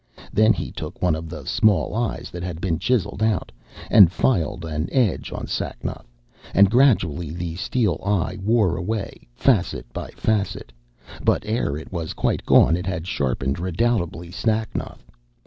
Then he took one of the small eyes that had been chiselled out, and filed an edge on Sacnoth, and gradually the steel eye wore away facet by facet, but ere it was quite gone it had sharpened redoubtably Sacnoth.